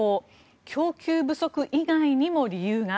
供給不足以外にも理由が。